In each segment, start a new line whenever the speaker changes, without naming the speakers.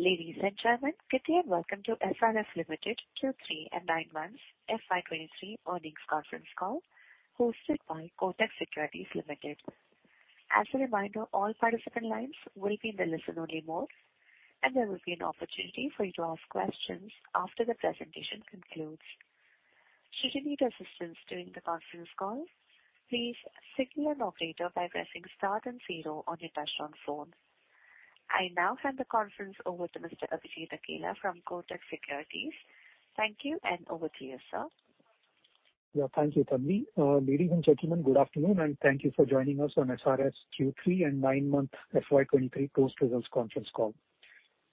Ladies and gentlemen, good day and welcome to SRF Limited Q3 and nine months FY23 earnings conference call hosted by Kotak Securities Limited. As a reminder, all participant lines will be in the listen only mode, and there will be an opportunity for you to ask questions after the presentation concludes. Should you need assistance during the conference call, please signal an operator by pressing star and 0 on your touchtone phone. I now hand the conference over to Mr. Abhijit Akella from Kotak Securities. Thank you, and over to you, sir.
Yeah. Thank you, Tanvi. Ladies and gentlemen, good afternoon, and thank you for joining us on SRF Q3 and nine-month FY23 post results conference call.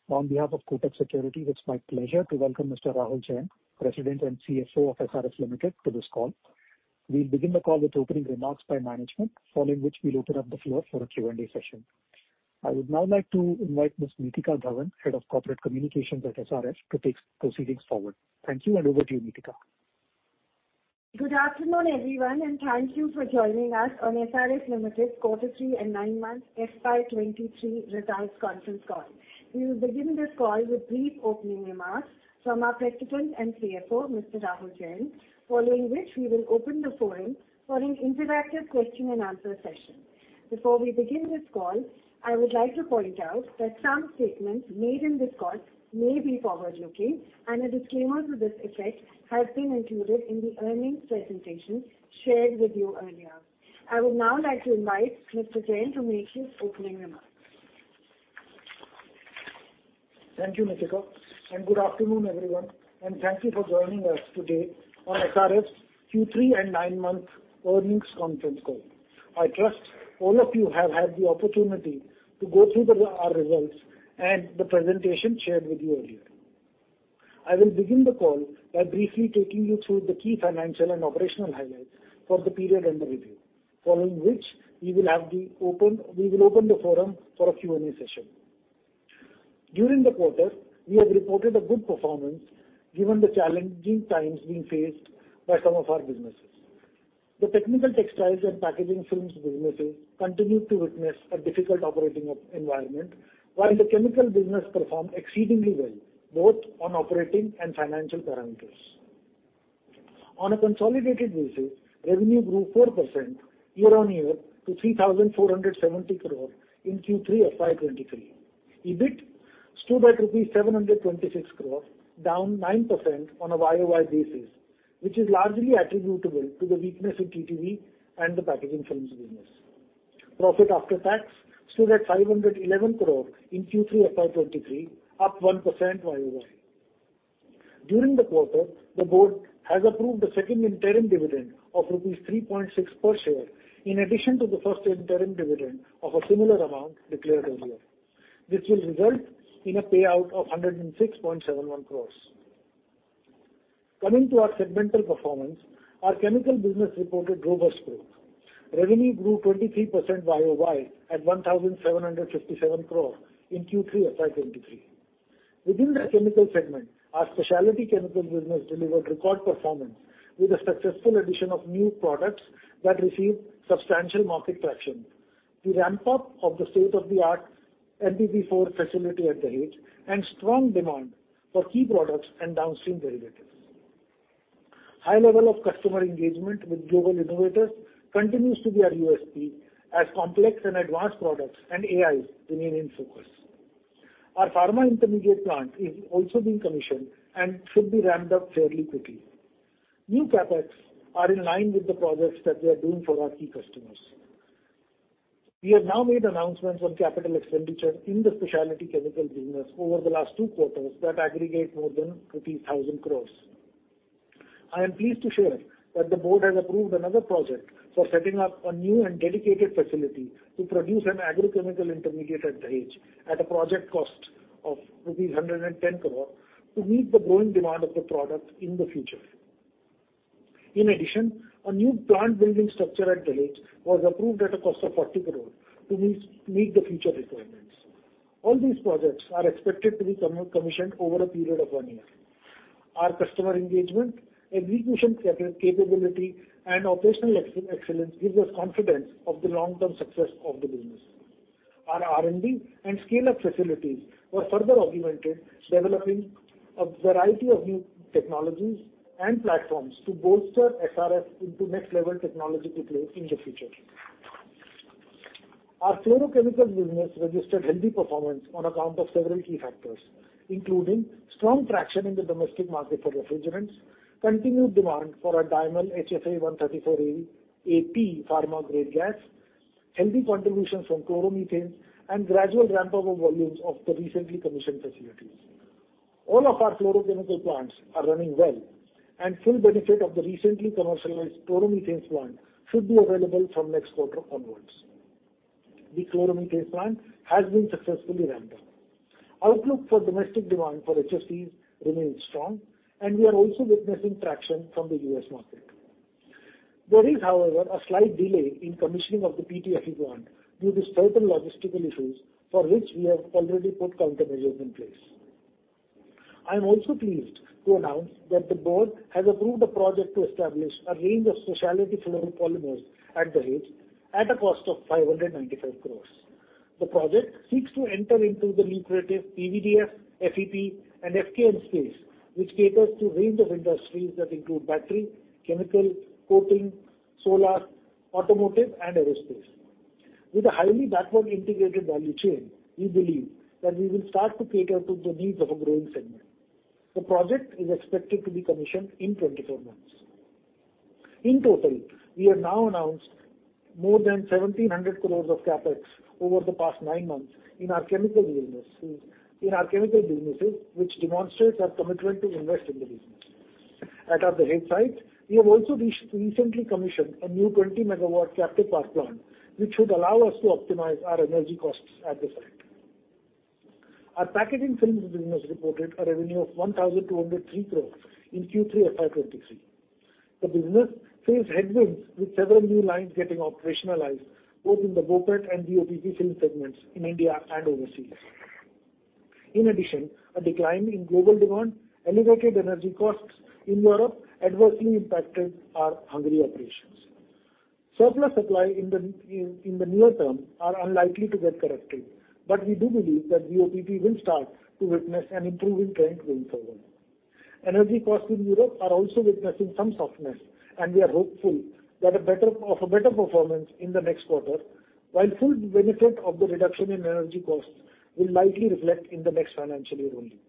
On behalf of Kotak Securities, it's my pleasure to welcome Mr. Rahul Jain, President and CFO of SRF Limited, to this call. We'll begin the call with opening remarks by management, following which we'll open up the floor for a Q&A session. I would now like to invite Ms. Nitika Dhawan, Head of Corporate Communications at SRF, to take proceedings forward. Thank you, and over to you, Nitika.
Good afternoon, everyone, and thank you for joining us on SRF Limited quarter three and nine-month FY23 results conference call. We will begin this call with brief opening remarks from our President and CFO, Mr. Rahul Jain. Following which we will open the forum for an interactive question and answer session. Before we begin this call, I would like to point out that some statements made in this call may be forward-looking, and a disclaimer to this effect has been included in the earnings presentation shared with you earlier. I would now like to invite Mr. Jain to make his opening remarks.
Thank you, Nitika, and good afternoon, everyone, and thank you for joining us today on SRF Q3 and nine-month earnings conference call. I trust all of you have had the opportunity to go through the our results and the presentation shared with you earlier. I will begin the call by briefly taking you through the key financial and operational highlights for the period under review. Following which we will open the forum for a Q&A session. During the quarter, we have reported a good performance, given the challenging times being faced by some of our businesses. The Technical Textiles and Packaging Films Businesses continued to witness a difficult operating environment, while the Chemical Business performed exceedingly well, both on operating and financial parameters. On a consolidated basis, revenue grew 4% year-on-year to 3,470 crore in Q3 FY23. EBIT stood at rupees 726 crore, down 9% on a YOY basis, which is largely attributable to the weakness in TTB and the PFB. Profit after tax stood at 511 crore in Q3 FY23, up 1% YOY. During the quarter, the board has approved a second interim dividend of rupees 3.6 per share, in addition to the first interim dividend of a similar amount declared earlier. This will result in a payout of 106.71 crore. Coming to our segmental performance, our chemical business reported robust growth. Revenue grew 23% YOY at 1,757 crore in Q3 FY23. Within the chemical segment, our specialty chemical business delivered record performance with the successful addition of new products that received substantial market traction. The ramp-up of the state-of-the-art MPP4 facility at Dahej and strong demand for key products and downstream derivatives. High level of customer engagement with global innovators continues to be our USP as complex and advanced products and AIs remain in focus. Our pharma intermediate plant is also being commissioned and should be ramped up fairly quickly. New CapEx are in line with the projects that we are doing for our key customers. We have now made announcements on capital expenditure in the specialty chemical business over the last 2 quarters that aggregate more than 1,000 crore. I am pleased to share that the board has approved another project for setting up a new and dedicated facility to produce an agrochemical intermediate at Dahej at a project cost of rupees 110 crore to meet the growing demand of the product in the future. In addition, a new plant building structure at Dahej was approved at a cost of 40 crore to meet the future requirements. All these projects are expected to be commissioned over a period of one year. Our customer engagement, execution capability, and operational excellence gives us confidence of the long-term success of the business. Our R&D and scale-up facilities were further augmented, developing a variety of new technologies and platforms to bolster SRF into next level technology to play in the future. Our fluorochemical business registered healthy performance on account of several key factors, including strong traction in the domestic market for refrigerants, continued demand for our Dymel HFA 134a/P pharma grade gas, healthy contributions from Chloromethane, and gradual ramp-up of volumes of the recently commissioned facilities. All of our fluorochemical plants are running well, and full benefit of the recently commercialized Chloromethane plant should be available from next quarter onwards. The Chloromethane plant has been successfully ramped up. Outlook for domestic demand for HFAs remains strong, and we are also witnessing traction from the U.S. market. There is, however, a slight delay in commissioning of the PTFE plant due to certain logistical issues for which we have already put countermeasures in place. I'm also pleased to announce that the board has approved a project to establish a range of specialty fluoropolymers at Dahej at a cost of 595 crores. The project seeks to enter into the lucrative PVDF, FEP, and FKM space, which caters to range of industries that include battery, chemical, coating, solar, automotive, and aerospace. With a highly backward integrated value chain, we believe that we will start to cater to the needs of a growing segment. The project is expected to be commissioned in 24 months. In total, we have now announced more than 1,700 crores of CapEx over the past 9 months in our chemical businesses, which demonstrates our commitment to invest in the business. At our Dahej site, we have also recently commissioned a new 20 megawatt captive power plant, which should allow us to optimize our energy costs at the site. Our Packaging Films Business reported a revenue of 1,203 crores in Q3 FY23. The business faced headwinds with several new lines getting operationalized, both in the BOPET and BOPP film segments in India and overseas. In addition, a decline in global demand, elevated energy costs in Europe adversely impacted our Hungary operations. Surplus supply in the near term are unlikely to get corrected, but we do believe that BOPP will start to witness an improving trend going forward. Energy costs in Europe are also witnessing some softness, and we are hopeful of a better performance in the next quarter, while full benefit of the reduction in energy costs will likely reflect in the next financial year only.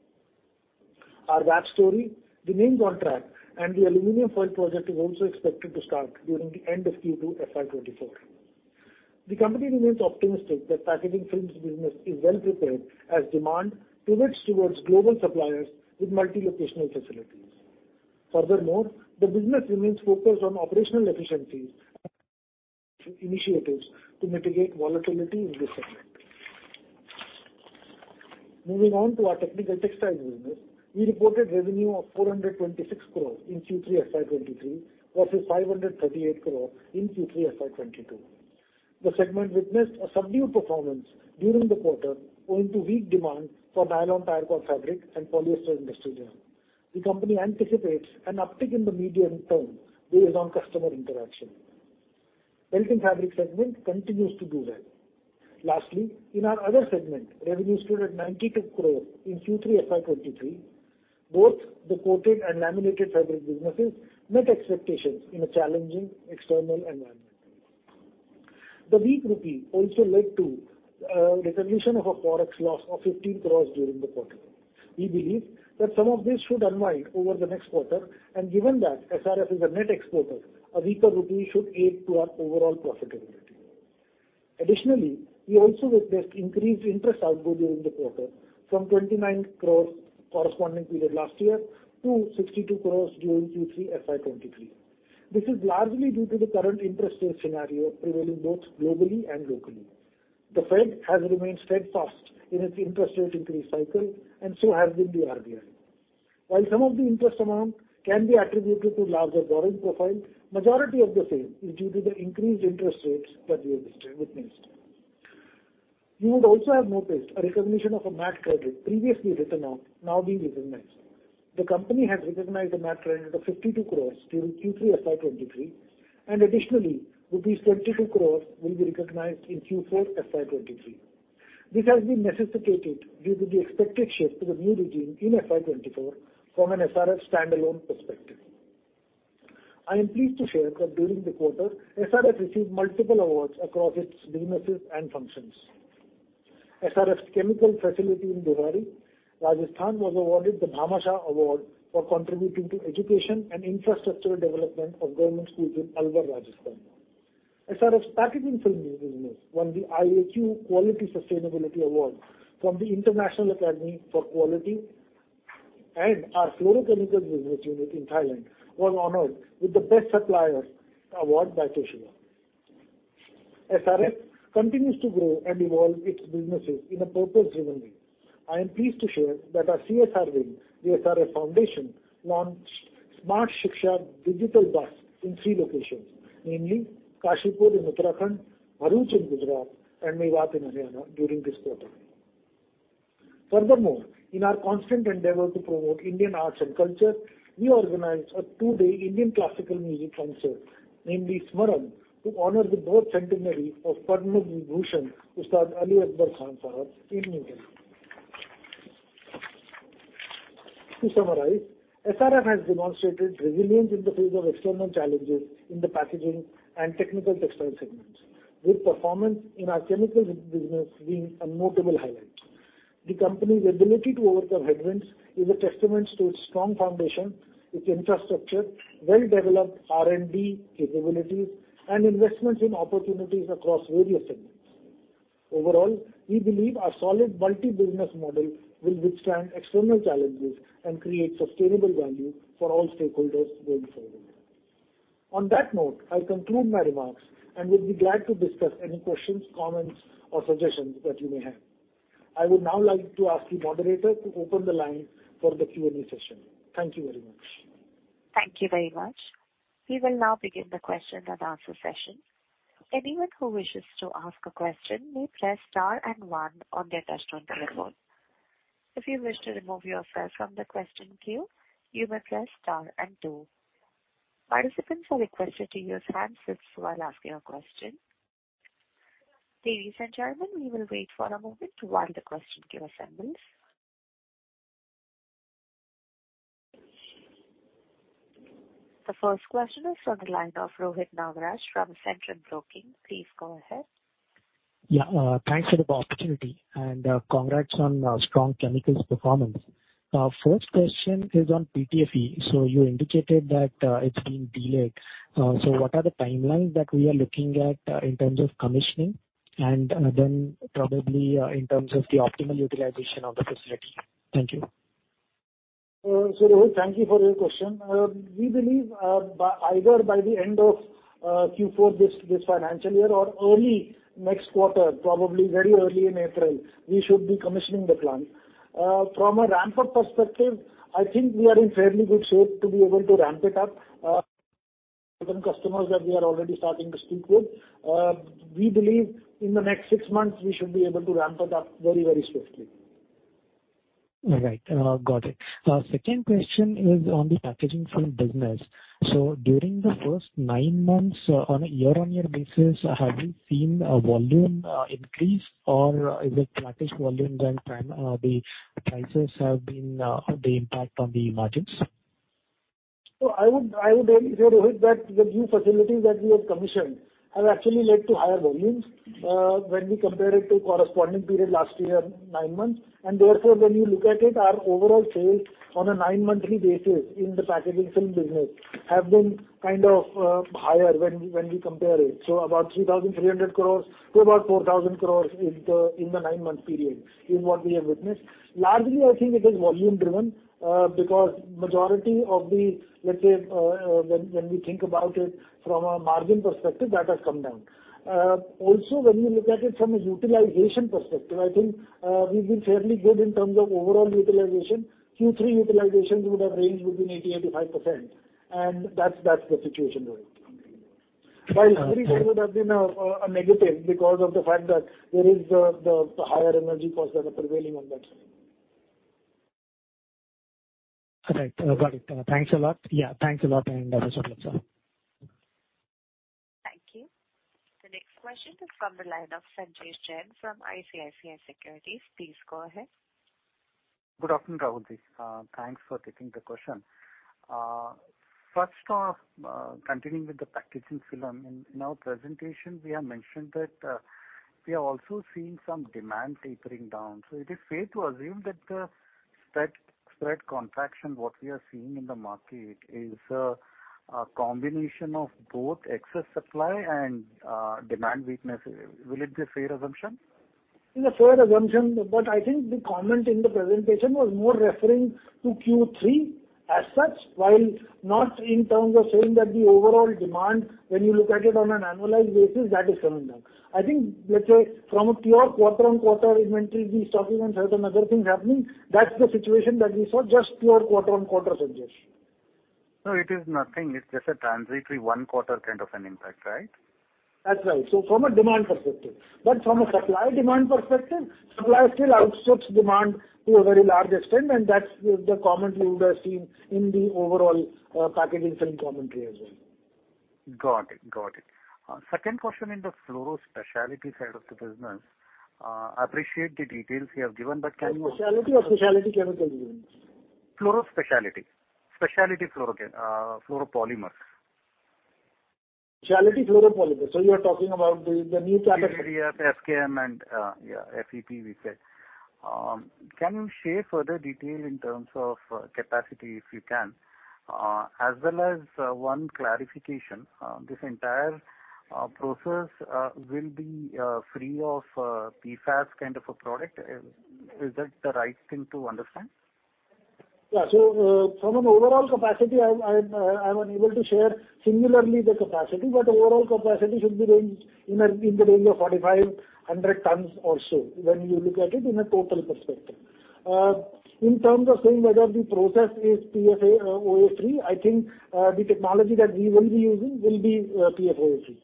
Our WAP story, the main contract, and the aluminum foil project is also expected to start during the end of Q2 FY24. The company remains optimistic that Packaging Films Business is well prepared as demand pivots towards global suppliers with multi-locational facilities. Furthermore, the business remains focused on operational efficiencies initiatives to mitigate volatility in this segment. Moving on to our Technical Textiles Business, we reported revenue of 426 crores in Q3 FY23 versus 538 crores in Q3 FY22. The segment witnessed a subdued performance during the quarter owing to weak demand for nylon tire cord fabric and polyester industrial yarn. The company anticipates an uptick in the medium term based on customer interaction. Belting fabric segment continues to do well. In our other segment, revenue stood at 92 crores in Q3 FY23. Both the coated and laminated fabric businesses met expectations in a challenging external environment. The weak rupee also led to recognition of a forex loss of 15 crores during the quarter. We believe that some of this should unwind over the next quarter. Given that SRF is a net exporter, a weaker rupee should aid to our overall profitability. We also witnessed increased interest outflow during the quarter from 29 crores corresponding period last year to 62 crores during Q3 FY23. This is largely due to the current interest rate scenario prevailing both globally and locally. The Fed has remained steadfast in its interest rate increase cycle and so has been the RBI. Some of the interest amount can be attributed to larger borrowing profile, majority of the same is due to the increased interest rates that we have witnessed. You would also have noticed a recognition of a MAT credit previously written off now being recognized. The company has recognized a MAT credit of 52 crores during Q3 FY23, and additionally rupees 22 crores will be recognized in Q4 FY23. This has been necessitated due to the expected shift to the new regime in FY24 from an SRF standalone perspective. I am pleased to share that during the quarter, SRF received multiple awards across its businesses and functions. SRF's chemical facility in Dhari, Rajasthan was awarded the Bhamashah Award for contributing to education and infrastructure development of government schools in Alwar, Rajasthan. SRF's Packaging Films Business won the IAQ Quality Sustainability Award from the International Academy for Quality, and our fluorochemical business unit in Thailand was honored with the Best Supplier Award by Toshiba. SRF continues to grow and evolve its businesses in a purpose-driven way. I am pleased to share that our CSR wing, the SRF Foundation, launched Smart Shiksha Digital Bus in 3 locations, namely Kashipur in Uttarakhand, Bharuch in Gujarat, and Mewat in Haryana during this quarter. In our constant endeavor to promote Indian arts and culture, we organized a two-day Indian classical music concert, namely Smaran, to honor the birth centenary of Padma Vibhushan, Ustad Ali Akbar Khan Sahab in New Delhi. To summarize, SRF has demonstrated resilience in the face of external challenges in the packaging and technical textile segments, with performance in our chemical business being a notable highlight. The company's ability to overcome headwinds is a testament to its strong foundation, its infrastructure, well-developed R&D capabilities, and investments in opportunities across various segments. We believe our solid multi-business model will withstand external challenges and create sustainable value for all stakeholders going forward. On that note, I'll conclude my remarks and will be glad to discuss any questions, comments, or suggestions that you may have. I would now like to ask the moderator to open the line for the Q&A session. Thank you very much.
Thank you very much. We will now begin the question and answer session. Anyone who wishes to ask a question may press star and one on their touch-tone telephone. If you wish to remove yourself from the question queue, you may press star and two. Participants are requested to use handsets while asking a question. Ladies and gentlemen, we will wait for a moment while the question queue assembles. The first question is on the line of Rohit Nagraj from Centrum Broking. Please go ahead.
Yeah. Thanks for the opportunity, and congrats on Specialty Chemicals' performance. First question is on PTFE. You indicated that it's been delayed. What are the timelines that we are looking at in terms of commissioning and then probably in terms of the optimal utilization of the facility? Thank you.
Rohit, thank you for your question. We believe, either by the end of Q4 this financial year or early next quarter, probably very early in April, we should be commissioning the plant. From a ramp-up perspective, I think we are in fairly good shape to be able to ramp it up. Certain customers that we are already starting to speak with. We believe in the next six months we should be able to ramp it up very, very swiftly.
All right. got it. second question is on the Packaging Films Business. During the first nine months on a year-on-year basis, have you seen a volume increase or is it flattish volumes and time, the prices have been the impact on the margins?
I would say, Rohit, that the new facilities that we have commissioned have actually led to higher volumes when we compare it to corresponding period last year, nine months. Therefore, when you look at it, our overall sales on a nine monthly basis in the Packaging Films Business have been kind of higher when we compare it. About 3,300 crores to about 4,000 crores in the nine-month period is what we have witnessed. Largely, I think it is volume driven because majority of the, let's say, when we think about it from a margin perspective, that has come down. Also when you look at it from a utilization perspective, I think, we've been fairly good in terms of overall utilization. Q3 utilizations would have ranged within 80-85%, and that's the situation, Rohit.
Okay.
While Q3 would have been a negative because of the fact that there is the higher energy costs that are prevailing on that.
All right. Got it. Thanks a lot. Yeah. Thanks a lot, and that was all, sir.
Thank you. The next question is from the line of Sanjesh Jain from ICICI Securities. Please go ahead.
Good afternoon, Rahulji. Thanks for taking the question. First off, continuing with the packaging film. In our presentation, we have mentioned that we are also seeing some demand tapering down. It is fair to assume that the spread contraction, what we are seeing in the market is a combination of both excess supply and demand weakness. Will it be a fair assumption?
It's a fair assumption. I think the comment in the presentation was more referring to Q3 as such, while not in terms of saying that the overall demand, when you look at it on an annualized basis, that is coming down. Let's say from a pure quarter-on-quarter inventory, the stocking and certain other things happening, that's the situation that we saw, just pure quarter-on-quarter suggestion.
No, it is nothing. It's just a transitory one quarter kind of an impact, right?
That's right. From a demand perspective. From a supply demand perspective, supply still outstrips demand to a very large extent. That's the comment you would have seen in the overall packaging film commentary as well.
Got it. Second question in the fluoro specialty side of the business. Appreciate the details you have given.
Specialty or Specialty Chemical Business?
Fluoro Specialty. Specialty fluoro Fluoropolymers.
Specialty fluoropolymers. You are talking about the new capacity.
PFM and, yeah, FEP we said. Can you share further detail in terms of capacity, if you can? As well as one clarification. This entire process will be free of PFAS kind of a product. Is that the right thing to understand?
From an overall capacity, I'm unable to share similarly the capacity, but overall capacity should be in the range of 4,500 tons or so when you look at it in a total perspective. In terms of saying whether the process is PSA OA free, I think the technology that we will be using will be PSA OA free.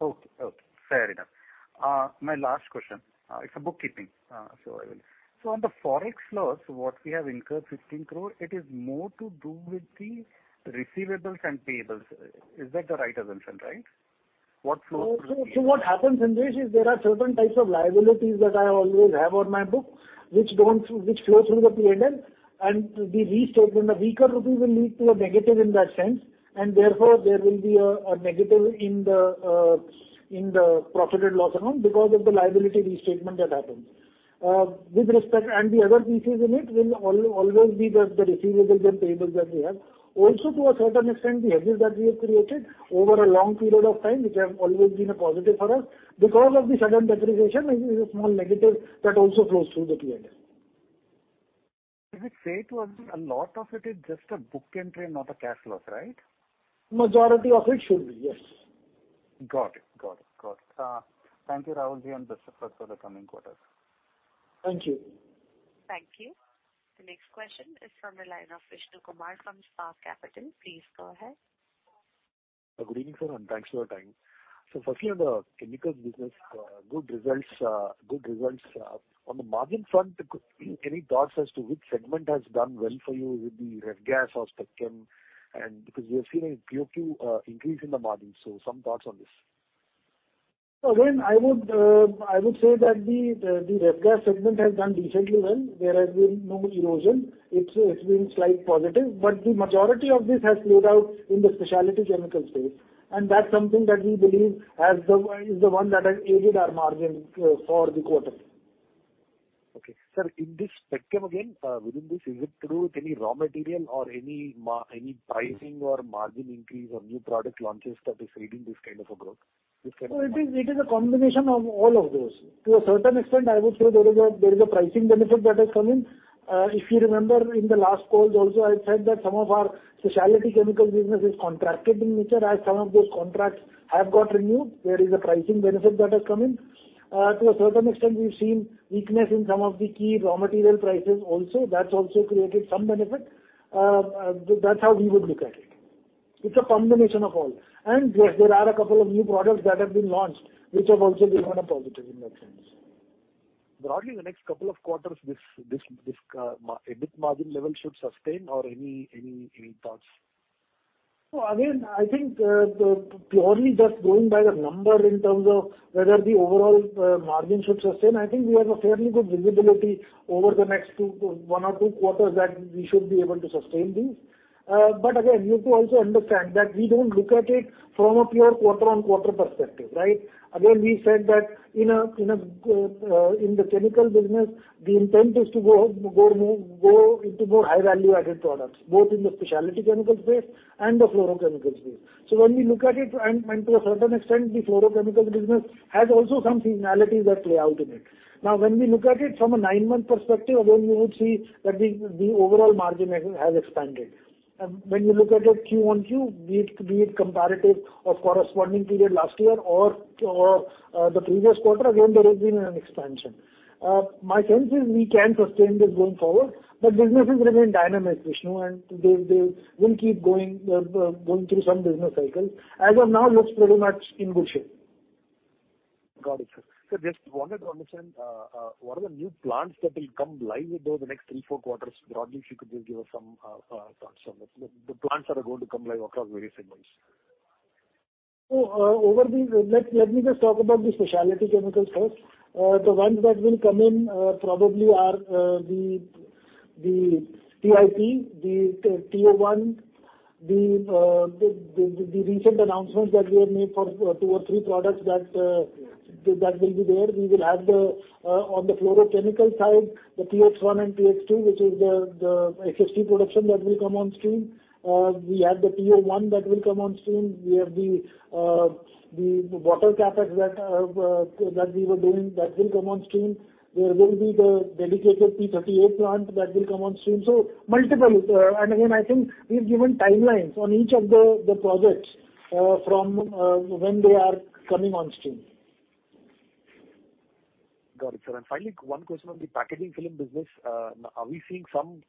Okay. Okay. Fair enough. My last question, it's a bookkeeping, so on the Forex loss, what we have incurred 15 crore, it is more to do with the receivables and payables. Is that the right assumption, right? What flows through-
What happens, Sanjay, is there are certain types of liabilities that I always have on my book which flow through the P&L and the restatement, the weaker rupee will lead to a negative in that sense, and therefore there will be a negative in the profit and loss account because of the liability restatement that happens. With respect, the other pieces in it will always be the receivables and payables that we have. To a certain extent, the hedges that we have created over a long period of time, which have always been a positive for us. Because of the sudden depreciation, it is a small negative that also flows through the P&L.
Is it fair to assume a lot of it is just a book entry and not a cash loss, right?
Majority of it should be, yes.
Got it. Thank you, Rahulji, and best of luck for the coming quarters.
Thank you.
Thank you. The next question is from the line of Vishnu Kumar from Spark Capital. Please go ahead.
Good evening, sir, and thanks for your time. Firstly, on the chemicals business, good results on the margin front. Any thoughts as to which segment has done well for you with the Ref-gas or spectrum? Because we have seen a QOQ increase in the margin. Some thoughts on this.
Again, I would, I would say that the Ref-gas segment has done decently well. There has been no erosion. It's been slight positive. The majority of this has played out in the Specialty Chemicals space, and that's something that we believe is the one that has aided our margin for the quarter.
Sir, in this spectrum, again, within this, is it through any raw material or any pricing or margin increase or new product launches that is feeding this kind of a growth, this kind of?
It is a combination of all of those. To a certain extent, I would say there is a pricing benefit that has come in. If you remember in the last calls also I said that some of our Specialty Chemicals business is contracted in nature, as some of those contracts have got renewed. There is a pricing benefit that has come in. To a certain extent we've seen weakness in some of the key raw material prices also. That's also created some benefit. That's how we would look at it. It's a combination of all. Yes, there are a couple of new products that have been launched which have also given a positive in that sense.
Broadly, in the next couple of quarters, this EBIT margin level should sustain or any thoughts?
I think, purely just going by the number in terms of whether the overall margin should sustain, I think we have a fairly good visibility over the next one or two quarters that we should be able to sustain this. You have to also understand that we don't look at it from a pure quarter-on-quarter perspective, right? We said that in the chemical business, the intent is to go into more high value-added products, both in the Specialty Chemicals space and the fluorochemical space. When we look at it, and to a certain extent, the fluorochemical business has also some seasonality that play out in it. Now, when we look at it from a nine-month perspective, again, you would see that the overall margin has expanded. When you look at it Q-on-Q, be it comparative of corresponding period last year or the previous quarter, again, there has been an expansion. My sense is we can sustain this going forward, but businesses remain dynamic, Vishnu, and they will keep going through some business cycles. As of now, looks pretty much in good shape.
Got it, sir. Just wanted to understand, what are the new plants that will come live over the next three, four quarters? Broadly, if you could just give us some thoughts on the plants that are going to come live across various segments.
Let me just talk about the Specialty Chemicals first. The ones that will come in probably are the TIP, the TO1, the recent announcements that we have made for 2 or 3 products that will be there. We will have on the fluorochemical side, the TH1 and TH2, which is the SSG production that will come on stream. We have the TO1 that will come on stream. We have the water CapEx that we were doing that will come on stream. There will be the dedicated P38 plant that will come on stream. Multiple. Again, I think we've given timelines on each of the projects from when they are coming on stream.
Got it, sir. Finally, one question on the Packaging Films Business. Are we seeing some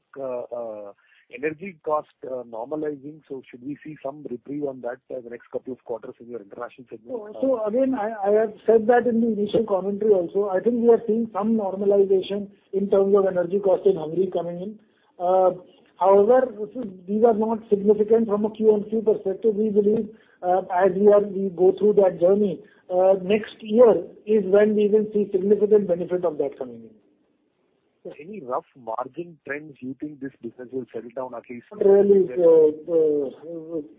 energy cost normalizing? Should we see some reprieve on that for the next 2 quarters in your international segment?
Again, I have said that in the initial commentary also. I think we are seeing some normalization in terms of energy cost in Hungary coming in. However, these are not significant from a Q on Q perspective. We believe, as we go through that journey, next year is when we will see significant benefit of that coming in.
Sir, any rough margin trends you think this business will settle down at least-
Not really.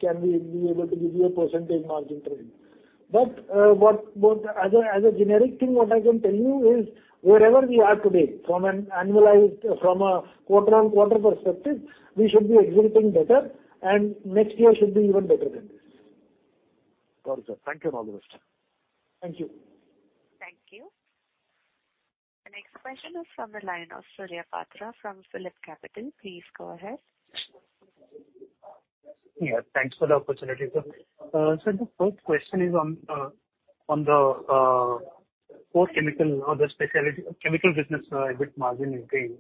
Can we be able to give you a % margin trend. What as a generic thing, what I can tell you is wherever we are today from a quarter-on-quarter perspective, we should be executing better, and next year should be even better than this.
Got it, sir. Thank you and all the best.
Thank you.
Thank you. The next question is from the line of Surya Patra from Phillip Capital. Please go ahead.
Yeah, thanks for the opportunity, sir. Sir, the first question is on the, core chemical or the specialty chemical business, EBIT margin increase.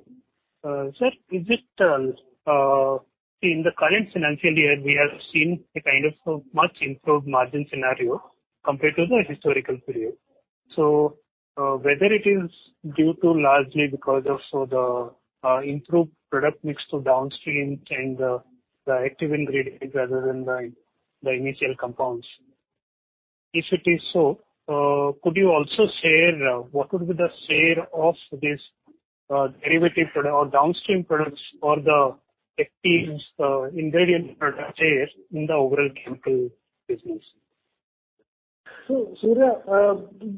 Sir, is it, in the current financial year, we have seen a kind of a much improved margin scenario compared to the historical period. Whether it is due to largely because of the improved product mix to downstream and, the Active Ingredients rather than the initial compounds. If it is so, could you also share what would be the share of this, derivative product or downstream products or the Active Ingredients product share in the overall chemical business?
Surya,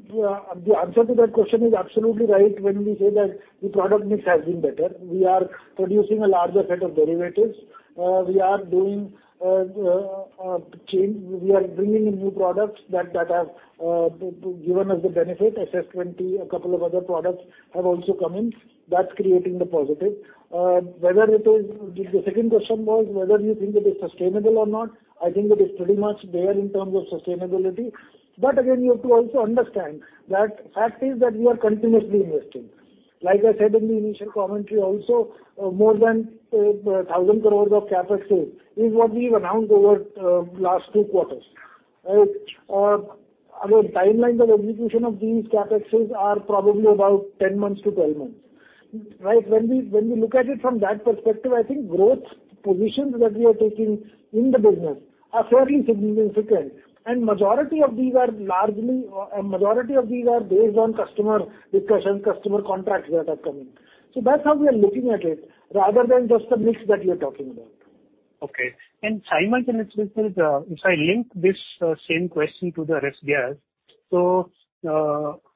the answer to that question is absolutely right when we say that the product mix has been better. We are producing a larger set of derivatives. We are doing change. We are bringing in new products that have given us the benefit. SS-20, a couple of other products have also come in. That's creating the positive. The second question was whether you think it is sustainable or not. I think it is pretty much there in terms of sustainability. Again, you have to also understand that fact is that we are continuously investing. Like I said in the initial commentary also, more than 1,000 crores of CapEx is what we've announced over last 2 quarters, right? Our timelines of execution of these CapExes are probably about 10 months to 12 months, right? When we look at it from that perspective, I think growth positions that we are taking in the business are fairly significant, and a majority of these are based on customer discussions, customer contracts that are coming. That's how we are looking at it, rather than just the mix that you're talking about.
Okay. Simultaneously, sir, if I link this same question to the Refrigerant Gases.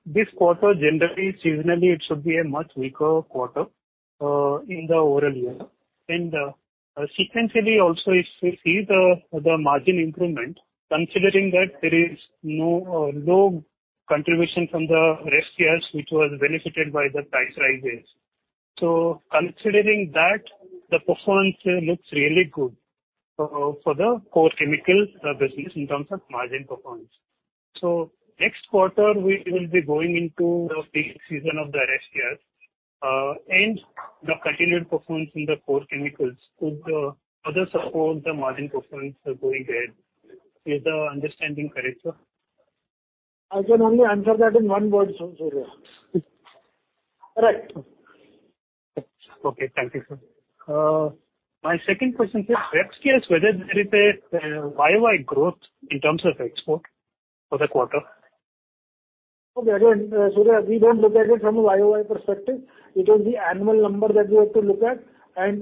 This quarter generally, seasonally, it should be a much weaker quarter in the overall year. Sequentially also if we see the margin improvement, considering that there is no low contribution from the Refrigerant Gases, which was benefited by the price rises. Considering that, the performance here looks really good for the core chemical business in terms of margin performance. Next quarter we will be going into the peak season of the Refrigerant Gases and the continued performance in the core chemicals. Could other support the margin performance going ahead? Is the understanding correct, sir?
I can only answer that in one word, Surya. Correct.
Okay. Thank you, sir. My second question, sir. Ref-gas, whether there is a year-over-year growth in terms of export for the quarter?
Surya, we don't look at it from a YOY perspective. It is the annual number that we have to look at.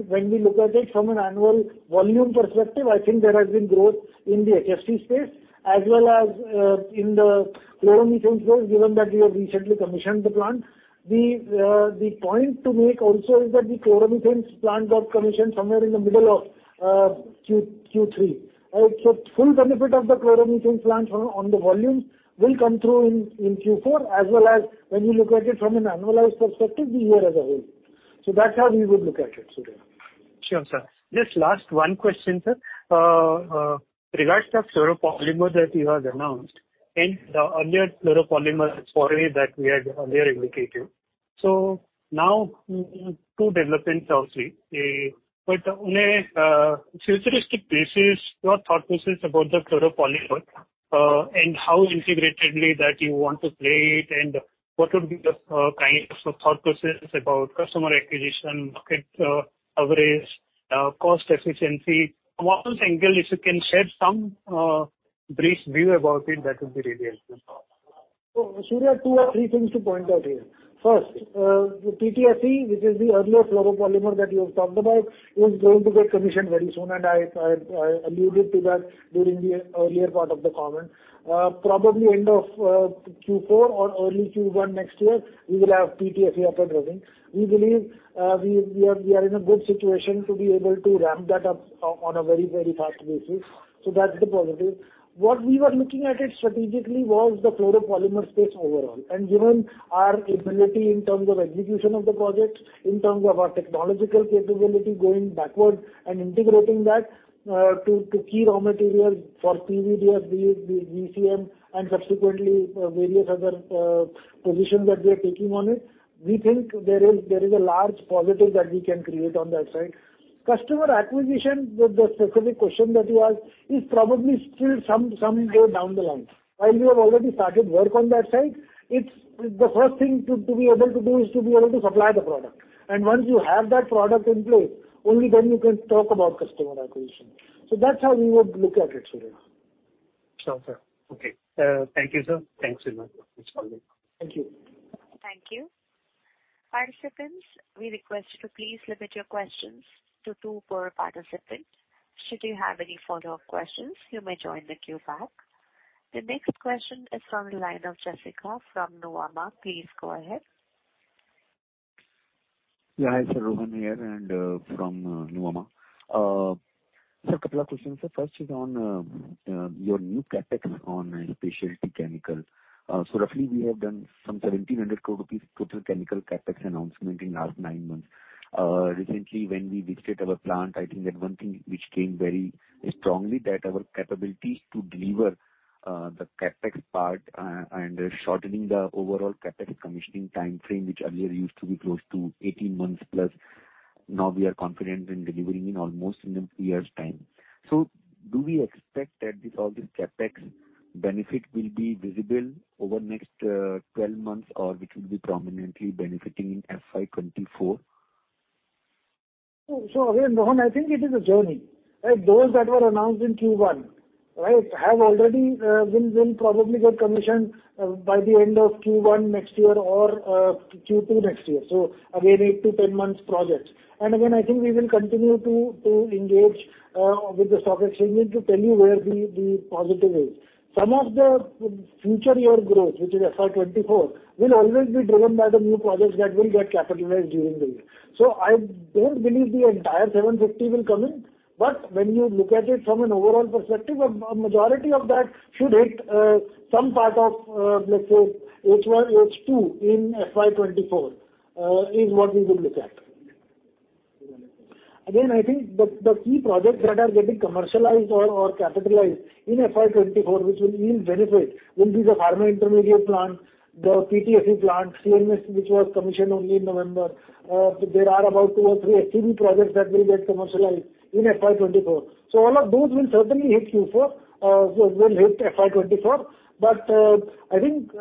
When we look at it from an annual volume perspective, I think there has been growth in the HFC space as well as in the Chloromethane space, given that we have recently commissioned the plant. The point to make also is that the Chloromethane plant got commissioned somewhere in the middle of Q3. Full benefit of the Chloromethane plant on the volume will come through in Q4 as well as when we look at it from an annualized perspective the year as a whole. That's how we would look at it, Surya.
Sure, sir. Just last one question, sir. Regards the fluoropolymer that you have announced and the earlier fluoropolymer story that we had earlier indicated. Now 2 developments or 3. On a futuristic basis, your thought process about the fluoropolymer and how integratedly that you want to play it, and what would be the kinds of thought process about customer acquisition, market coverage, cost efficiency? From all this angle, if you can share some brief view about it, that would be really helpful.
Surya, 2 or 3 things to point out here. First, the PTFE, which is the earlier fluoropolymer that you have talked about, is going to get commissioned very soon, and I alluded to that during the earlier part of the comment. Probably end of Q4 or early Q1 next year, we will have PTFE up and running. We believe, we are in a good situation to be able to ramp that up on a very, very fast basis. That's the positive. What we were looking at it strategically was the fluoropolymer space overall. Given our ability in terms of execution of the projects, in terms of our technological capability going backward and integrating that, to key raw materials for PVDF, VCM and subsequently, various other positions that we are taking on it, we think there is a large positive that we can create on that side. Customer acquisition, the specific question that you asked, is probably still some way down the line. While we have already started work on that side, the first thing to be able to do is to be able to supply the product. Once you have that product in place, only then you can talk about customer acquisition. That's how we would look at it, Surya.
Sure, sir. Okay. Thank you, sir. Thanks a lot.
Thank you.
Thank you. Participants, we request you to please limit your questions to 2 per participant. Should you have any follow-up questions, you may join the queue back. The next question is from the line of Jessica from Nuvama. Please go ahead.
Hi sir, Rohan here, from Nuvama. Sir, couple of questions, sir. First is on your new CapEx on specialty chemical. Roughly we have done some 1,700 crore rupees total chemical CapEx announcement in last 9 months. Recently when we visited our plant, I think that one thing which came very strongly that our capabilities to deliver the CapEx part and shortening the overall CapEx commissioning time frame, which earlier used to be close to 18 months plus. Now we are confident in delivering in almost in a year's time. Do we expect that all this CapEx benefit will be visible over next 12 months or which will be prominently benefiting in FY24?
Again, Rohan, I think it is a journey. Those that were announced in Q1, right? Have already will probably get commissioned by the end of Q1 next year or Q2 next year. Again, 8-10 months projects. Again, I think we will continue to engage with the stock exchange to tell you where the positive is. Some of the future year growth, which is FY24, will always be driven by the new projects that will get capitalized during the year. I don't believe the entire 750 will come in. When you look at it from an overall perspective, a majority of that should hit some part of, let's say H1, H2 in FY 2024 is what we would look at. I think the key projects that are getting commercialized or capitalized in FY 2024, which will even benefit, will be the pharma intermediate plant, the PTFE plant, CMS, which was commissioned only in November. There are about 2 or 3 HFC projects that will get commercialized in FY 2024. All of those will certainly hit Q4, will hit FY 2024. I think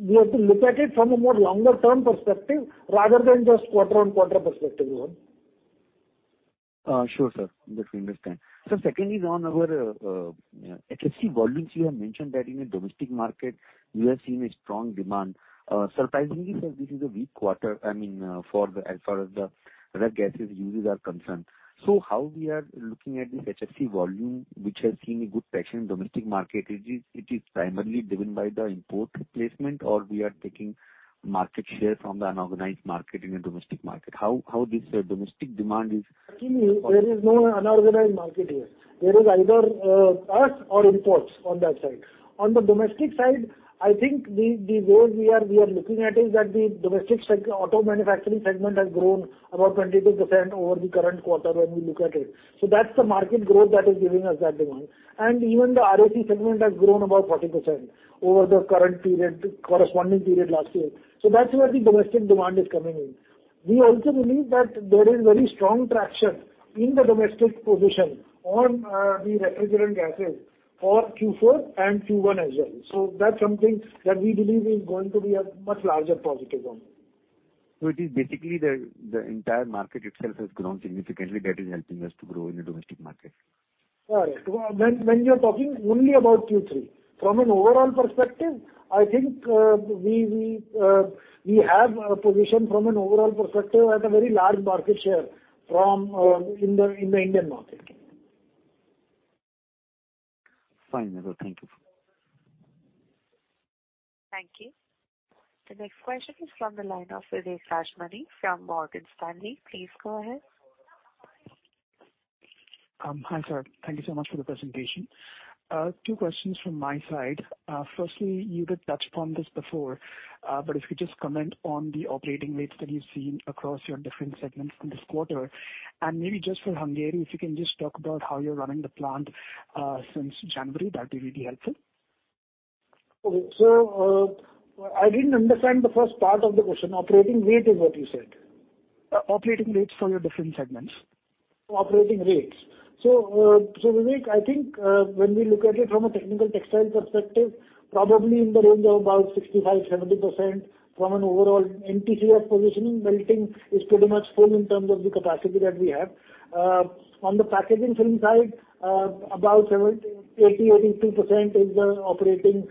we have to look at it from a more longer-term perspective rather than just quarter-on-quarter perspective alone.
Sure, sir. That we understand. Sir, secondly, on our HFC volumes, you have mentioned that in the domestic market you have seen a strong demand. Surprisingly, sir, this is a weak quarter, I mean, as far as the ref gases uses are concerned. How we are looking at this HFC volume, which has seen a good traction in domestic market? It is primarily driven by the import replacement, or we are taking market share from the unorganized market in the domestic market. How this domestic demand is-
Actually, there is no unorganized market here. There is either us or imports on that side. On the domestic side, I think the growth we are looking at is that the domestic auto manufacturing segment has grown about 22% over the current quarter when we look at it. That's the market growth that is giving us that demand. Even the ROC segment has grown about 40% over the current period, corresponding period last year. That's where the domestic demand is coming in. We also believe that there is very strong traction in the domestic position on the refrigerant gases for Q4 and Q1 as well. That's something that we believe is going to be a much larger positive one.
It is basically the entire market itself has grown significantly, that is helping us to grow in the domestic market.
Correct. When you're talking only about Q3. From an overall perspective, I think we have a position from an overall perspective at a very large market share from in the Indian market.
Fine, sir. Thank you.
Thank you. The next question is from the line of Vivek Rajamani from Morgan Stanley. Please go ahead.
Hi, sir. Thank you so much for the presentation. 2 questions from my side. Firstly, you did touch upon this before, but if you could just comment on the operating rates that you've seen across your different segments in this quarter. Maybe just for Hungary, if you can just talk about how you're running the plant, since January, that'll really help, sir.
Okay. I didn't understand the first part of the question. Operating rate is what you said?
Operating rates for your different segments.
Operating rates. Vivek, I think, when we look at it from a technical textile perspective, probably in the range of about 65%-70% from an overall MTP of positioning, melting is pretty much full in terms of the capacity that we have. On the packaging film side, about 80%-82% is the operating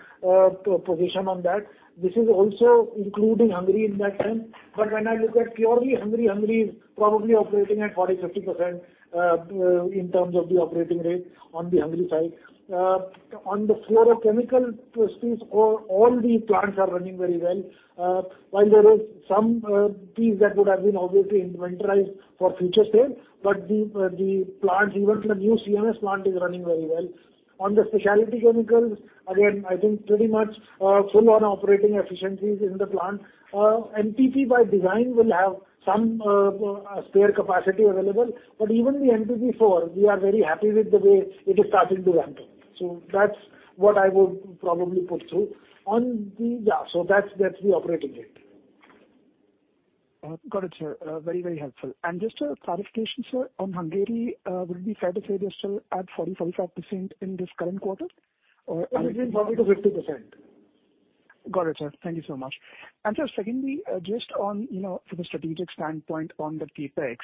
position on that. This is also including Hungary in that sense. When I look at purely Hungary is probably operating at 40%-50% in terms of the operating rate on the Hungary side. On the fluorochemical piece, all the plants are running very well. While there is some piece that would have been obviously inventorized for future sale, but the plant, even the new CMS plant is running very well. On the Specialty Chemicals, again, I think pretty much full on operating efficiencies in the plant. MTP by design will have some spare capacity available. Even the MTP4, we are very happy with the way it is starting to ramp up. That's what I would probably put through. Yeah, that's the operating rate.
Got it, sir. Very, very helpful. Just a clarification, sir. On Hungary, would it be fair to say they're still at 40-45% in this current quarter?
Between 40%-50%.
Got it, sir. Thank you so much. Sir, secondly, just on, you know, from a strategic standpoint on the CapEx,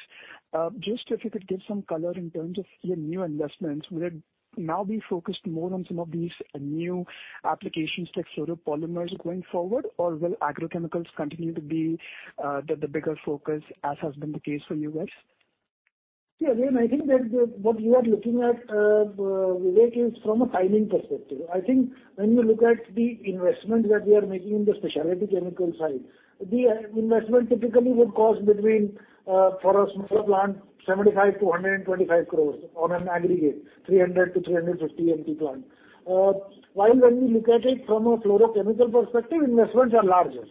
just if you could give some color in terms of your new investments? Will it now be focused more on some of these new applications like fluoropolymers going forward? Or will agrochemicals continue to be the bigger focus as has been the case for you guys?
Yeah. Again, I think that what you are looking at, Vivek, is from a timing perspective. I think when you look at the investment that we are making in the specialty chemical side, the investment typically would cost between, for a smaller plant, 75-125 crores on an aggregate, 300-350 MTP plant. While when we look at it from a fluorochemical perspective, investments are larger.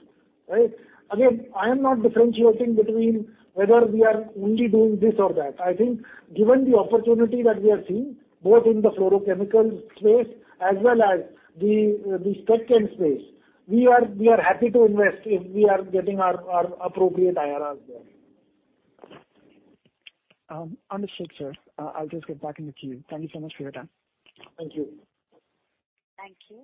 Right? Again, I am not differentiating between whether we are only doing this or that. I think given the opportunity that we are seeing, both in the fluorochemical space as well as the spec end space, we are happy to invest if we are getting our appropriate IRRs there.
Understood, sir. I'll just get back into queue. Thank you so much for your time.
Thank you.
Thank you.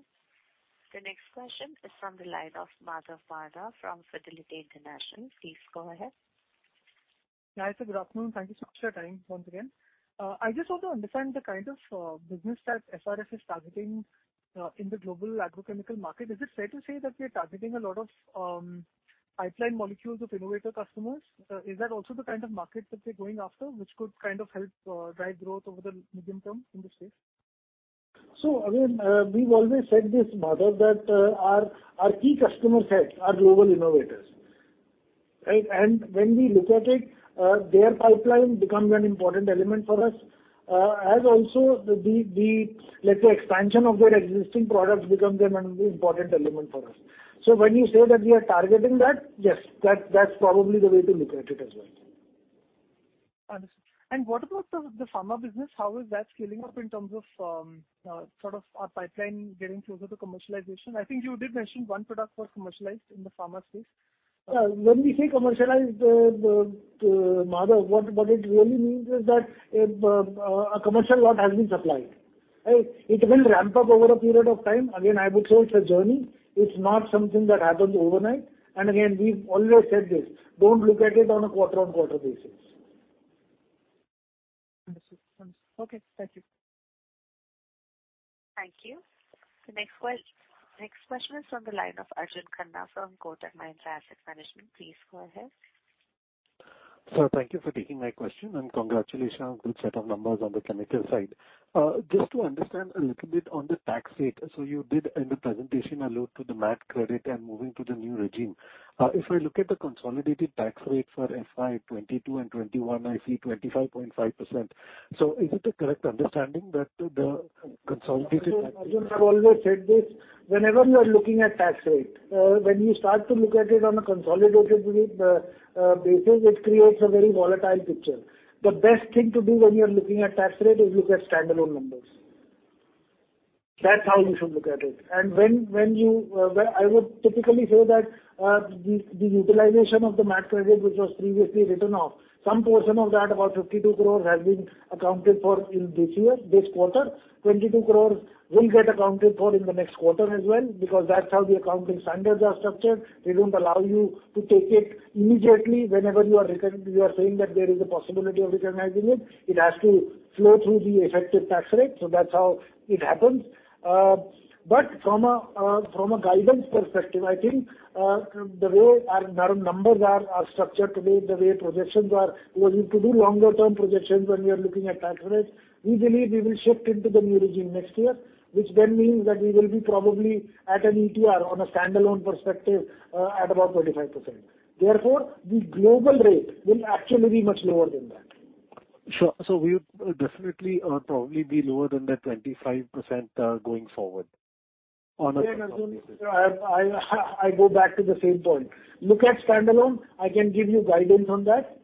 The next question is from the line of Madhav Marda from Fidelity International. Please go ahead.
Yeah. Good afternoon. Thank you so much for your time once again. I just want to understand the kind of business that SRF is targeting in the global agrochemical market. Is it fair to say that we are targeting a lot of pipeline molecules of innovator customers? Is that also the kind of market that we're going after, which could kind of help drive growth over the medium term in this space?
Again, we've always said this, Madhav, that, our key customer set are global innovators. Right? When we look at it, their pipeline becomes an important element for us. As also the, let's say, expansion of their existing products becomes an important element for us. When you say that we are targeting that, yes, that's probably the way to look at it as well.
Understood. What about the pharma business? How is that scaling up in terms of sort of our pipeline getting closer to commercialization? I think you did mention one product was commercialized in the pharma space.
When we say commercialized, Madhav, what it really means is that a commercial lot has been supplied. Right? It will ramp up over a period of time. Again, I would say it's a journey. It's not something that happens overnight. Again, we've always said this, don't look at it on a quarter-on-quarter basis.
Understood. Okay. Thank you.
Thank you. The next question is from the line of Arjun Khanna from Kotak Mahindra Asset Management. Please go ahead.
Sir, thank you for taking my question, and congratulations. Good set of numbers on the chemical side. Just to understand a little bit on the tax rate. You did in the presentation allude to the MAT credit and moving to the new regime. If I look at the consolidated tax rate for FY22 and FY21, I see 25.5%. Is it a correct understanding that the consolidated tax-
Arjun, I've always said this. Whenever you are looking at tax rate, when you start to look at it on a consolidated basis, it creates a very volatile picture. The best thing to do when you are looking at tax rate is look at standalone numbers. That's how you should look at it. When you, I would typically say that the utilization of the MAT credit, which was previously written off, some portion of that, about 52 crores, has been accounted for in this year, this quarter. 22 crores will get accounted for in the next quarter as well because that's how the accounting standards are structured. They don't allow you to take it immediately. Whenever you are saying that there is a possibility of recognizing it has to flow through the effective tax rate, that's how it happens. From a guidance perspective, I think, the way our numbers are structured today, the way projections are, was to do longer term projections when we are looking at tax rates. We believe we will shift into the new regime next year, which means that we will be probably at an ETR on a standalone perspective, at about 25%. The global rate will actually be much lower than that.
Sure. We'll definitely, probably be lower than that 25%, going forward.
Yeah, Arjun. I go back to the same point. Look at standalone. I can give you guidance on that,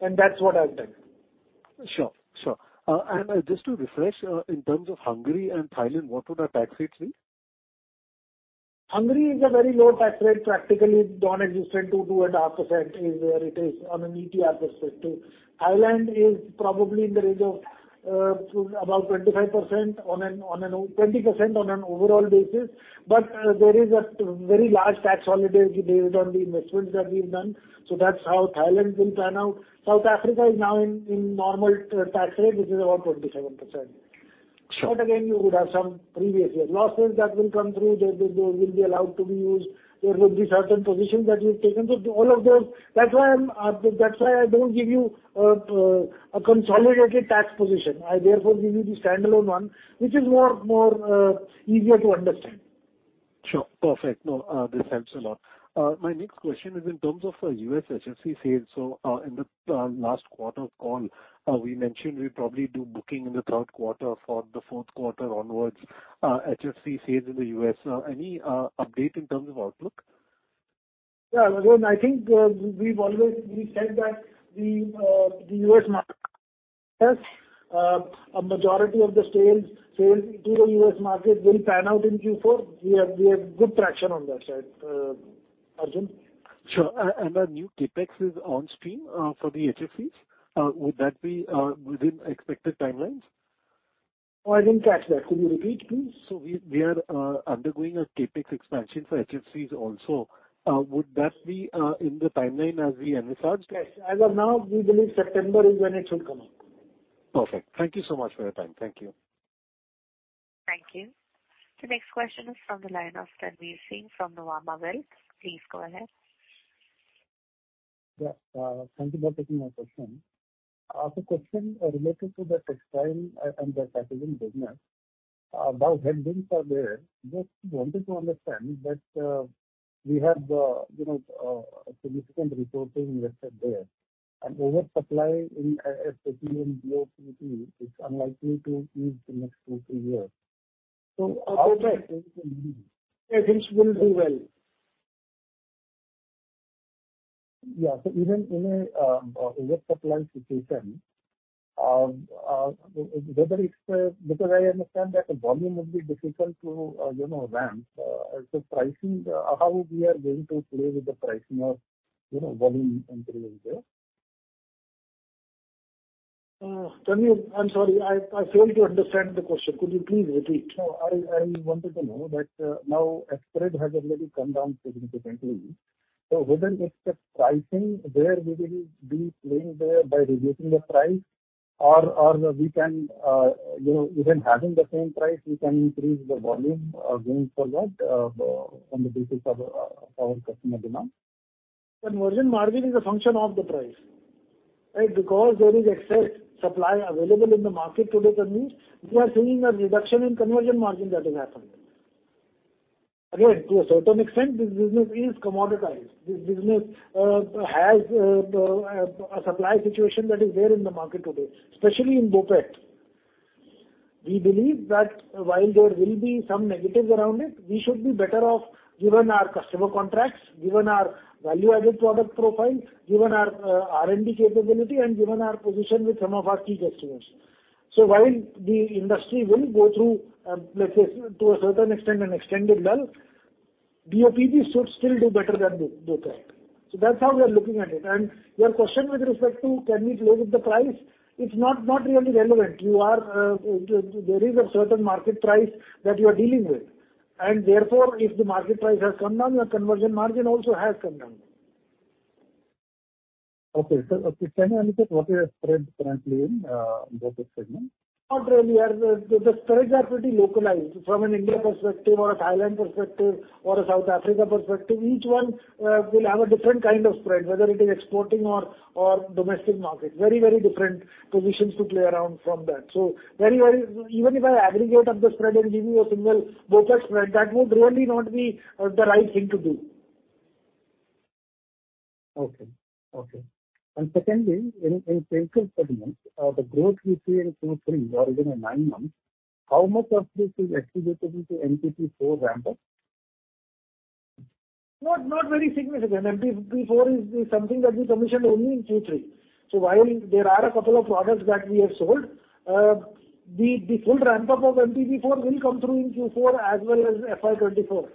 and that's what I've done.
Sure. Sure. Just to refresh, in terms of Hungary and Thailand, what would the tax rates be?
Hungary is a very low tax rate, practically nonexistent, 2-2.5% is where it is on an ETR perspective. Thailand is probably in the range of about 25% on an 20% on an overall basis. There is a very large tax holiday based on the investments that we've done. That's how Thailand will pan out. South Africa is now in normal tax rate, which is about 27%. Again, you would have some previous year losses that will come through. They will be allowed to be used. There will be certain positions that we've taken. That's why I'm, that's why I don't give you a consolidated tax position. I therefore give you the standalone one, which is more easier to understand.
Sure. Perfect. No, this helps a lot. My next question is in terms of U.S. HFC sales. In the last quarter call, we mentioned we'd probably do booking in the third quarter for the fourth quarter onwards, HFC sales in the U.S. Any update in terms of outlook?
Yeah. Again, I think, We said that the US market, a majority of the sales into the US market will pan out in Q4. We have good traction on that side, Arjun.
Sure. The new CapEx is on stream for the HFCs. Would that be within expected timelines?
Oh, I didn't catch that. Could you repeat, please?
We are undergoing a CapEx expansion for HFCs also. Would that be in the timeline as we envisaged?
Yes. As of now, we believe September is when it should come out.
Perfect. Thank you so much for your time. Thank you.
Thank you. The next question is from the line of Tanveer Singh from Nuvama Wealth. Please go ahead.
Yeah. Thank you for taking my question. Question related to the textile and the packaging business. Volumes are there. Just wanted to understand that, we have, you know, significant resources invested there, and oversupply in PFB and BOPET is unlikely to ease in the next 2, 3 years. How do you think it will be?
Correct. It will do well.
Yeah. Even in an oversupply situation, whether it's the. I understand that the volume would be difficult to, you know, ramp. Pricing, how we are going to play with the pricing or, you know, volume entry over there?
Tanvir, I'm sorry. I failed to understand the question. Could you please repeat?
No, I wanted to know that now spread has already come down significantly. Whether it's the pricing where we will be playing there by reducing the price or we can, you know, even having the same price, we can increase the volume going for that on the basis of our customer demand.
Conversion margin is a function of the price. Right? Because there is excess supply available in the market today, Tanvir, we are seeing a reduction in conversion margin that is happening. Again, to a certain extent, this business is commoditized. This business has a supply situation that is there in the market today, especially in BOPET. We believe that while there will be some negatives around it, we should be better off given our customer contracts, given our value-added product profile, given our R&D capability, and given our position with some of our key customers. While the industry will go through, let's say to a certain extent an extended lull, BOPP should still do better than the trend. That's how we are looking at it. Your question with respect to can we play with the price? It's not really relevant. There is a certain market price that you are dealing with. If the market price has come down, your conversion margin also has come down.
Okay. Can you indicate what is your spread currently in, BOPET segment?
Not really. The spreads are pretty localized. From an India perspective or a Thailand perspective or a South Africa perspective, each one will have a different kind of spread, whether it is exporting or domestic market. Very different positions to play around from that. Even if I aggregate up the spread and give you a single BOPET spread, that would really not be the right thing to do.
Okay. Okay. Secondly, in previous segments, the growth we see in Q3 or even in nine months, how much of this is attributable to MPP4 ramp-up?
Not very significant. MPP4 is the something that we commissioned only in Q3. While there are a couple of products that we have sold, the full ramp-up of MPP4 will come through in Q4 as well as FY24.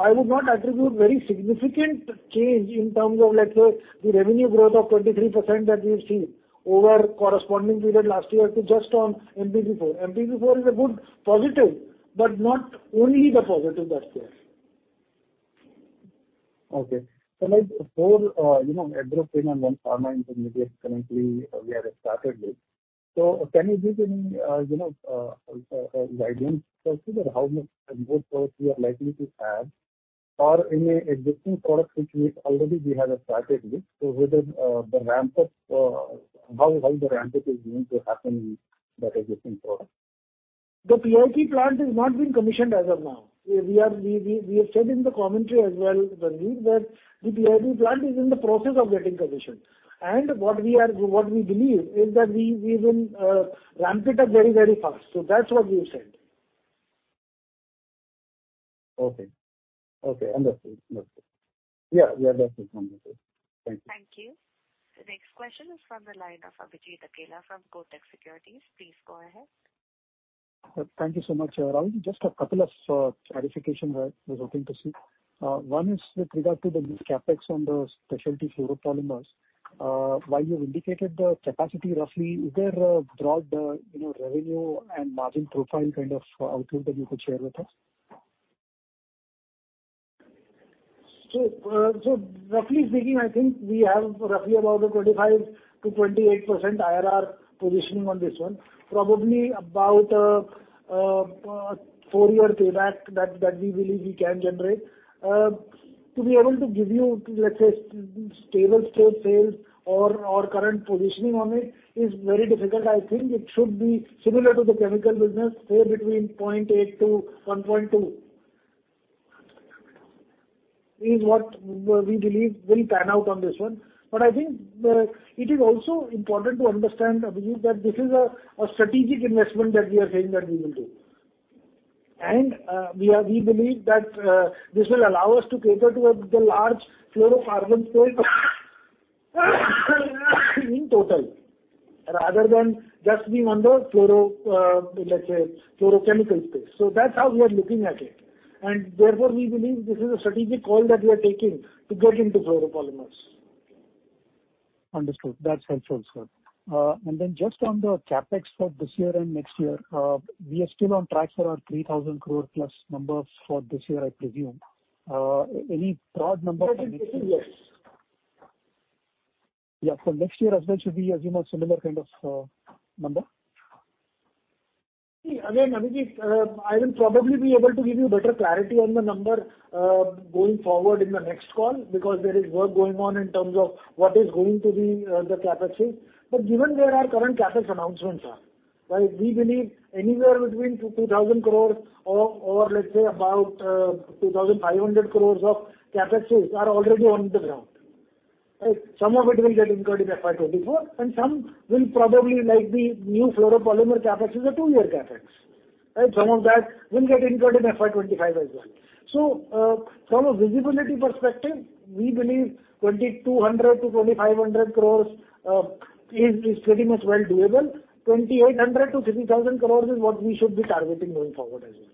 I would not attribute very significant change in terms of, let's say, the revenue growth of 23% that we've seen over corresponding period last year to just on MPP4. MPP4 is a good positive, but not only the positive that's there.
Okay. Like before, you know, addressing on pharma intermediates currently we have started with. Can you give any, you know, guidance, consider how much end products we are likely to have? Or any existing product which we've already started with, so whether, the ramp-up, how the ramp-up is going to happen with that existing product?
The PIT plant is not been commissioned as of now. We have said in the commentary as well, Vineet, that the PIT plant is in the process of getting commissioned. What we believe is that we will ramp it up very, very fast. That's what we have said.
Okay. Okay, understood. Understood. Yeah. Yeah, that's it from my side. Thank you.
Thank you. The next question is from the line of Abhijit Akella from Kotak Securities. Please go ahead.
Thank you so much. Rahul, just a couple of clarification that I was looking to see. One is with regard to the new CapEx on the specialty fluoropolymers. While you've indicated the capacity roughly, is there a broad, you know, revenue and margin profile kind of outlook that you could share with us?
Roughly speaking, I think we have roughly about a 25%-28% IRR positioning on this one. Probably about a 4-year payback that we believe we can generate. To be able to give you, let's say, stable scale sales or current positioning on it is very difficult. I think it should be similar to the chemical business, say between 0.8-1.2, is what we believe will pan out on this one. I think it is also important to understand, Abhijit, that this is a strategic investment that we are saying that we will do. We believe that this will allow us to cater to the large fluorocarbon space in total, rather than just be on the fluoro, let's say, fluorochemical space. That's how we are looking at it. Therefore, we believe this is a strategic call that we are taking to get into fluoropolymers.
Understood. That's helpful, sir. Just on the CapEx for this year and next year, we are still on track for our 3,000 crore+ numbers for this year, I presume. Any broad number for next year?
That is three years.
Yeah. Next year as well, should we assume a similar kind of number?
Again, Abhijit Akella, I will probably be able to give you better clarity on the number going forward in the next call because there is work going on in terms of what is going to be the CapEx fee. Given where our current CapEx announcements are, right, we believe anywhere between 2,000 crores or let's say about 2,500 crores of CapEx fees are already on the ground. Right? Some of it will get incurred in FY24, and some will probably like the new fluoropolymer CapEx is a 2-year CapEx. Right? Some of that will get incurred in FY25 as well. From a visibility perspective, we believe 2,200-2,500 crores is pretty much well doable. 2,800-30,000 crores is what we should be targeting going forward as well.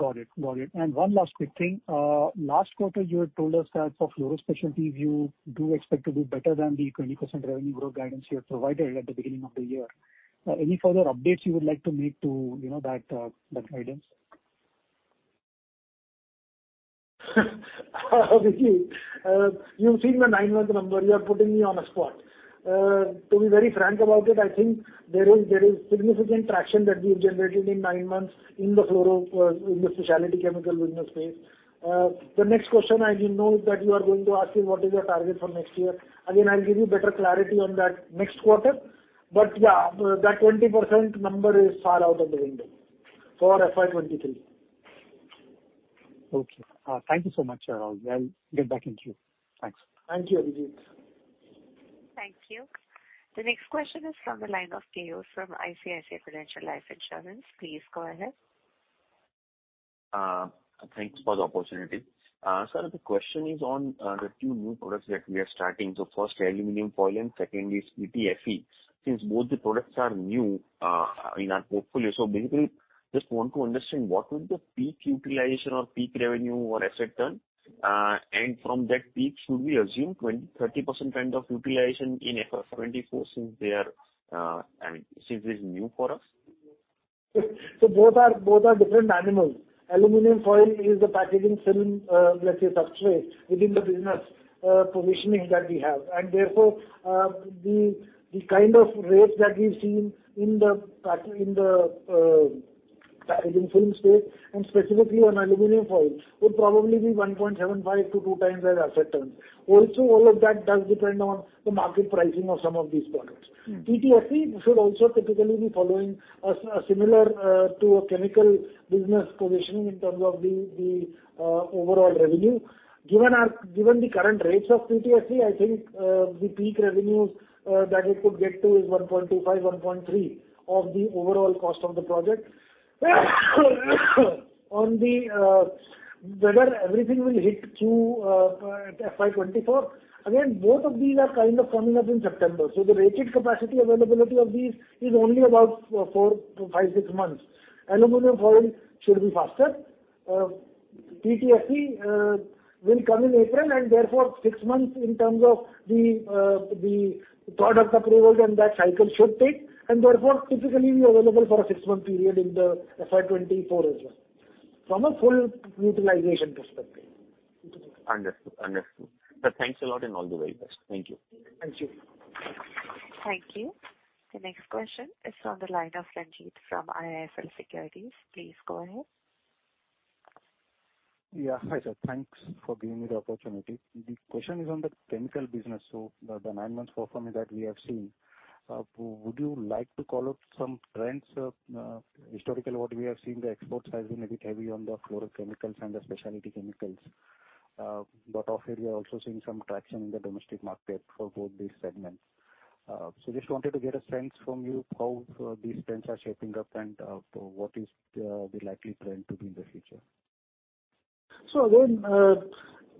Got it. Got it. One last quick thing. Last quarter, you had told us that for Specialty Chemicals, you do expect to do better than the 20% revenue growth guidance you had provided at the beginning of the year. Any further updates you would like to make to, you know, that guidance?
Abhijit, you've seen my 9-month number. You are putting me on a spot. To be very frank about it, I think there is significant traction that we have generated in nine months in the fluoro, in the Specialty Chemicals business space. The next question I do know that you are going to ask me what is your target for next year. Again, I'll give you better clarity on that next quarter. Yeah, that 20% number is far out of the window for FY23.
Okay. Thank you so much. I'll get back into you. Thanks.
Thank you, Abhijit.
Thank you. The next question is from the line of Keyur Pandya from ICICI Prudential Life Insurance Company Limited. Please go ahead.
Thanks for the opportunity. Sir, the question is on the two new products that we are starting. First, the aluminum foil and second is PTFE. Since both the products are new in our portfolio. Basically just want to understand what would the peak utilization or peak revenue or asset turn, and from that peak should we assume 20%-30% kind of utilization in FY24 since they are, I mean, since it's new for us?
Both are different animals. Aluminum foil is the packaging film, let's say, substrate within the business, positioning that we have. Therefore, the kind of rates that we've seen in the packaging film space and specifically on aluminum foil would probably be 1.75 to 2 times our asset terms. All of that does depend on the market pricing of some of these products.
Mm.
PTFE should also typically be following a similar to a chemical business positioning in terms of the overall revenue. Given the current rates of PTFE, I think the peak revenues that it could get to is 1.25-1.3 of the overall cost of the project. On the whether everything will hit through FY24. Both of these are kind of coming up in September. The rated capacity availability of these is only about 4 to 5, 6 months. Aluminum foil should be faster. PTFE will come in April and therefore 6 months in terms of the product approvals and that cycle should take, and therefore typically be available for a 6-month period in the FY24 as well from a full utilization perspective.
Understood. Understood. Sir, thanks a lot, and all the very best. Thank you.
Thank you.
Thank you. The next question is on the line of Ranjit from IIFL Securities. Please go ahead.
Yeah. Hi, sir. Thanks for giving me the opportunity. The question is on the chemical business. The 9 months performance that we have seen. Would you like to call out some trends, historically what we have seen the exports has been a bit heavy on the fluorochemicals and the Specialty Chemicals. Of late we are also seeing some traction in the domestic market for both these segments. Just wanted to get a sense from you how these trends are shaping up and what is the likely trend to be in the future.
Again,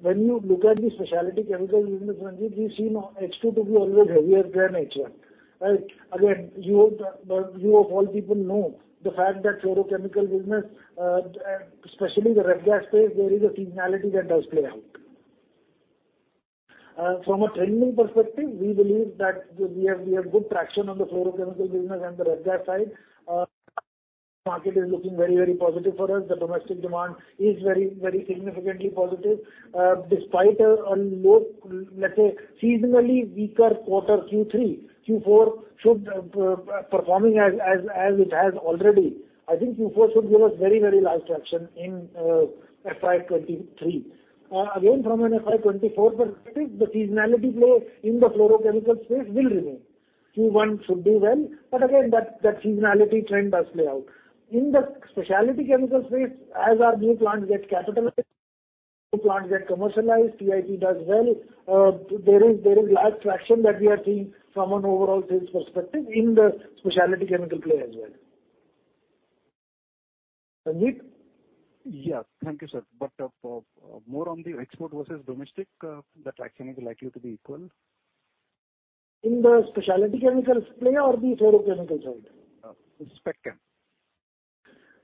when you look at the Specialty Chemicals business, Ranjit, we've seen H2 to be always heavier than H1, right? Again, you of all people know the fact that fluorochemicals business, especially the Ref-gas space, there is a seasonality that does play out. From a trending perspective, we believe that we have good traction on the fluorochemicals business and the Ref-gas side. Market is looking very positive for us. The domestic demand is very significantly positive. Despite a low, let's say seasonally weaker quarter Q3, Q4 should performing as it has already. I think Q4 should give us very large traction in FY23. Again, from an FY24 perspective, the seasonality play in the fluorochemicals space will remain. Q1 should do well, again, that seasonality trend does play out. In the Specialty Chemicals space as our new plants get capitalized, new plants get commercialized, PIP does well. There is large traction that we are seeing from an overall sales perspective in the Specialty Chemicals play as well. Ranjit?
Yeah. Thank you, sir. More on the export versus domestic, the traction is likely to be equal?
In the Specialty Chemicals play or the Fluorochemicals side?
Specialty Chemicals.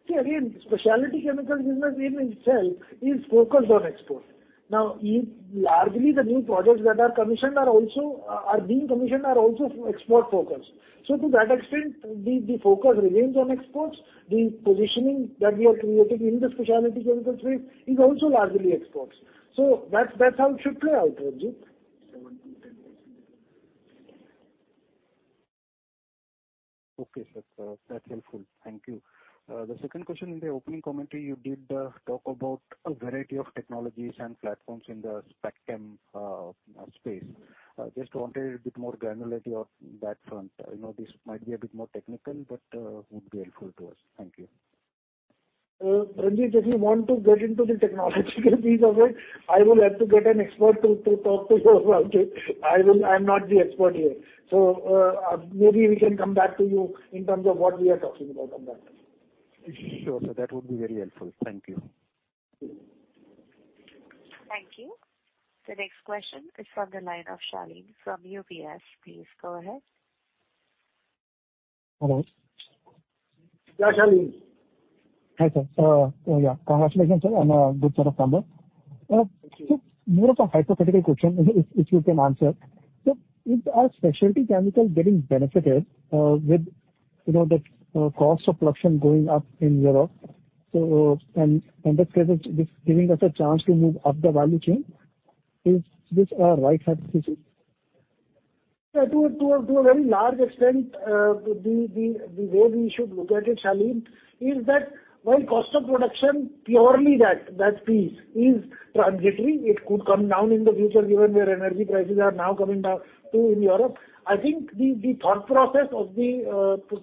See, again, Specialty Chemicals Business in itself is focused on export. Largely the new projects that are commissioned are being commissioned are also export focused. To that extent, the focus remains on exports. The positioning that we are creating in the Specialty Chemicals space is also largely exports. That's how it should play out, Ranjit.
Okay, sir. That's helpful. Thank you. The second question, in the opening commentary you did talk about a variety of technologies and platforms in the Specialty Chemicals space. Just wanted a bit more granularity on that front. I know this might be a bit more technical, but would be helpful to us. Thank you.
Ranjit, if you want to get into the technological piece of it, I will have to get an expert to talk to you about it. I'm not the expert here. Maybe we can come back to you in terms of what we are talking about on that.
Sure, sir. That would be very helpful. Thank you.
Thank you. The next question is from the line of Shaleen from UBS. Please go ahead.
Hello.
Yeah, Shaleen.
Hi, sir. Yeah, congratulations on a good set of numbers.
Thank you.
Sir, more of a hypothetical question, if you can answer. Sir, with our Specialty Chemicals getting benefited, with, you know, the cost of production going up in Europe. This case is giving us a chance to move up the value chain. Is this a right hypothesis?
To a very large extent, the way we should look at it, Shaleen, is that while cost of production, purely that piece is transitory. It could come down in the future, given where energy prices are now coming down, too, in Europe. I think the thought process of the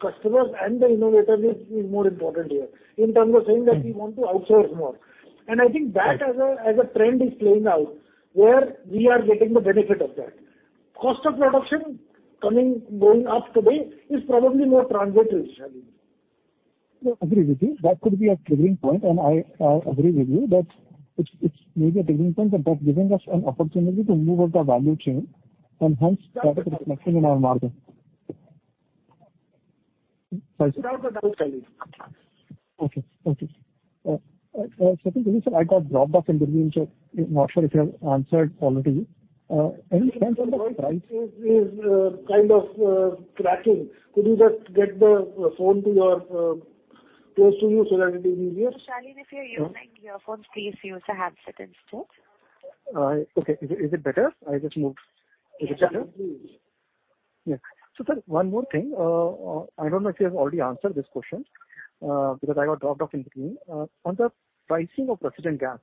customers and the innovators is more important here in terms of saying that we want to outsource more. I think that as a trend is playing out, where we are getting the benefit of that. Cost of production going up today is probably more transitory, Shaleen.
No, I agree with you. That could be a triggering point, and I, agree with you that it's maybe a triggering point, but that's giving us an opportunity to move up the value chain and hence better reflection in our margin. Sorry, sir. Okay, thank you. Satyen, earlier, sir, I got dropped off in between. Not sure if you have answered already. Any plans on the price.
The voice is kind of cracking. Could you just get the phone to your close to you so that it is easier?
Shaleen, if you're using earphones, please use a handset instead.
Okay. Is it better? I just moved to the channel.
Yeah.
Yeah. One more thing. I don't know if you have already answered this question, because I got dropped off in between. On the pricing of refrigerant gas.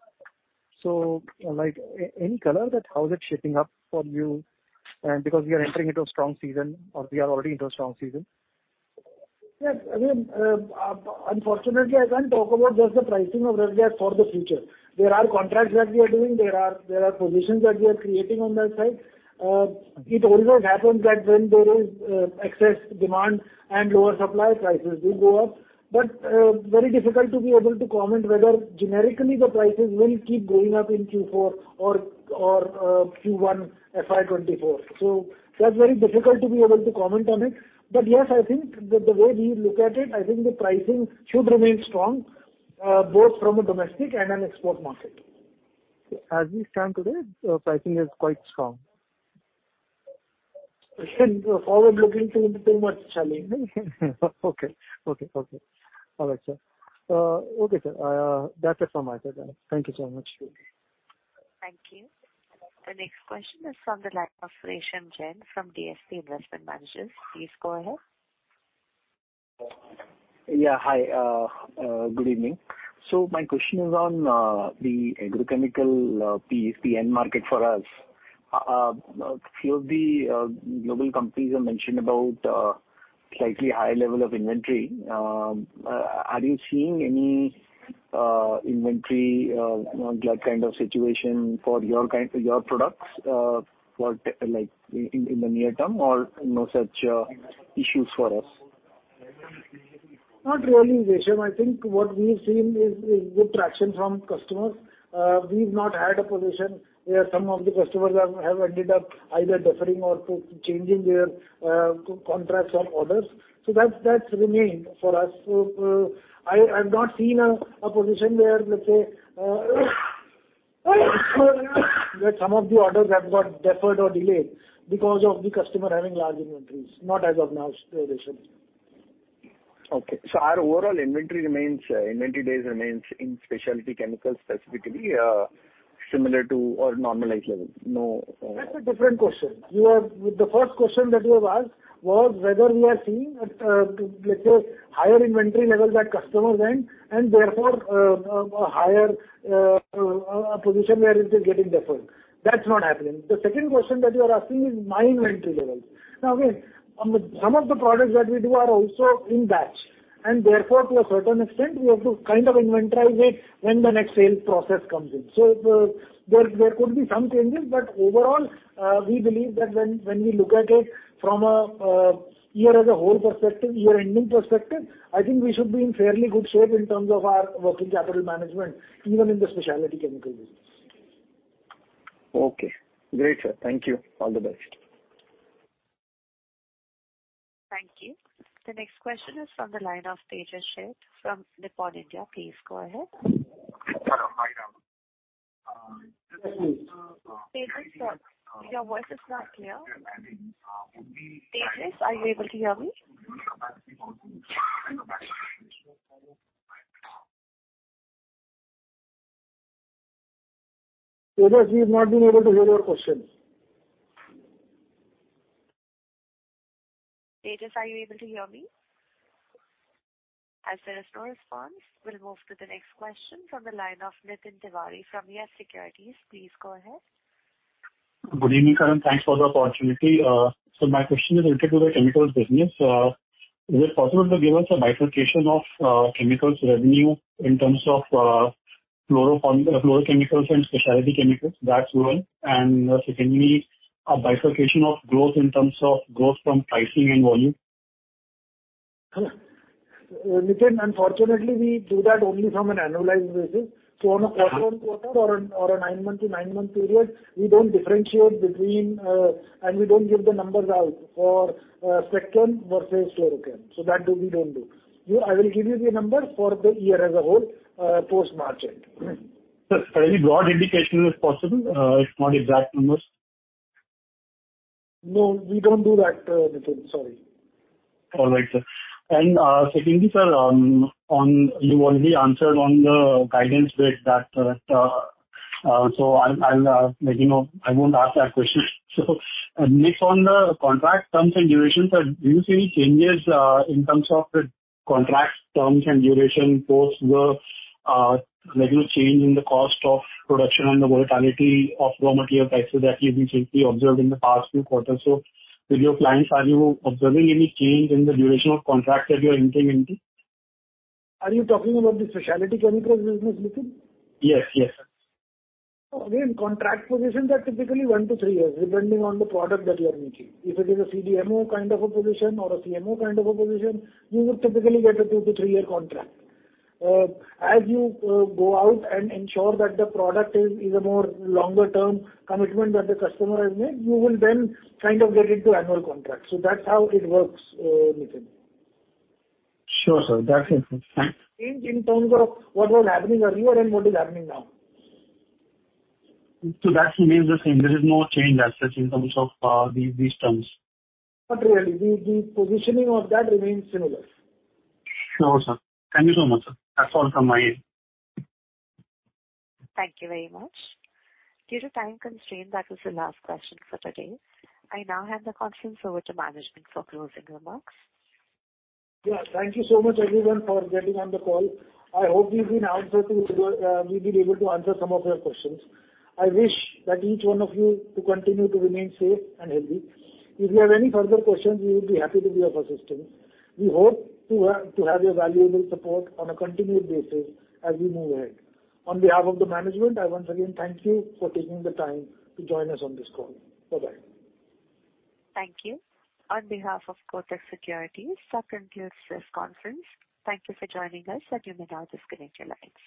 Like, any color that how is it shaping up for you? Because we are entering into a strong season or we are already into a strong season.
Yes. I mean, unfortunately, I can't talk about just the pricing of refrigerant gas for the future. There are contracts that we are doing. There are positions that we are creating on that side. It always happens that when there is excess demand and lower supply, prices do go up. Very difficult to be able to comment whether generically the prices will keep going up in Q4 or Q1 FY24. That's very difficult to be able to comment on it. Yes, I think the way we look at it, I think the pricing should remain strong, oth from a domestic and an export market.
As we stand today, pricing is quite strong.
Forward looking, so we don't say much, Shaleen.
Okay. Okay. Okay. All right, sir. Okay, sir. That's it from my side then. Thank you so much.
Thank you. The next question is from the line of Resham Jain from DSP Investment Managers. Please go ahead.
Hi. Good evening. My question is on the agrochemical PE end market for us. Few of the global companies have mentioned about slightly high level of inventory. Are you seeing any inventory, you know, that kind of situation for your kind, your products for like in the near term or no such issues for us?
Not really, Resham. I think what we've seen is good traction from customers. We've not had a position where some of the customers have ended up either deferring or to changing their contracts or orders. That's remained for us. I've not seen a position where let's say that some of the orders have got deferred or delayed because of the customer having large inventories. Not as of now, Resham.
Okay. inventory days remains in Specialty Chemicals specifically, similar to or normalized level? No,
That's a different question. The first question that you have asked was whether we are seeing at, let's say, higher inventory levels at customer end and therefore, a higher position where it is getting deferred. That's not happening. The second question that you are asking is my inventory levels. Again, some of the products that we do are also in batch, and therefore to a certain extent, we have to kind of inventorize it when the next sales process comes in. There could be some changes, but overall, we believe that when we look at it from a year as a whole perspective, year-ending perspective, I think we should be in fairly good shape in terms of our working capital management, even in the Specialty Chemicals business.
Okay. Great, sir. Thank you. All the best.
Thank you. The next question is from the line of Tejas Sheth from Nippon India. Please go ahead. Tejas, your voice is not clear. Tejas, are you able to hear me?
Tejas, we've not been able to hear your question.
Tejas, are you able to hear me? As there is no response, we'll move to the next question from the line of Nitin Tiwari from Yes Securities. Please go ahead.
Good evening, Karan. Thanks for the opportunity. My question is related to the chemicals business. Is it possible to give us a bifurcation of, fluorochemicals and Specialty Chemicals? That's one. Secondly, a bifurcation of growth in terms of growth from pricing and volume.
Nitin, unfortunately, we do that only from an annualized basis. On a quarter-on-quarter or a, or a nine-month to nine-month period, we don't differentiate between, and we don't give the numbers out for, second versus fluorochem. That we don't do. You, I will give you the numbers for the year as a whole, post-March end.
Sir, any broad indication is possible, if not exact numbers?
No, we don't do that, Nitin. Sorry.
All right, sir. Secondly, sir, on, you already answered on the guidance bit that, so I'll let you know I won't ask that question. Next on the contract terms and durations, do you see any changes in terms of the contract terms and duration post the regular change in the cost of production and the volatility of raw material prices that you've been simply observed in the past few quarters? With your clients, are you observing any change in the duration of contracts that you are entering into?
Are you talking about the Specialty Chemicals Business, Nitin?
Yes. Yes, sir.
Contract positions are typically one to three years, depending on the product that you are making. If it is a CDMO kind of a position or a CMO kind of a position, you would typically get a two to three-year contract. As you go out and ensure that the product is a more longer term commitment that the customer has made, you will then kind of get into annual contracts. That's how it works, Nitin.
Sure, sir. That's it. Thanks.
Change in terms of what was happening earlier and what is happening now.
That remains the same. There is no change as such in terms of, these terms.
Not really. The positioning of that remains similar.
Sure, sir. Thank you so much, sir. That's all from my end.
Thank you very much. Due to time constraint, that was the last question for today. I now hand the conference over to management for closing remarks.
Yeah. Thank you so much everyone for getting on the call. I hope we've been able to answer some of your questions. I wish that each one of you to continue to remain safe and healthy. If you have any further questions, we would be happy to be of assistance. We hope to have your valuable support on a continued basis as we move ahead. On behalf of the management, I once again thank you for taking the time to join us on this call. Bye-bye.
Thank you. On behalf of Kotak Securities, I conclude this conference. Thank you for joining us. You may now disconnect your lines.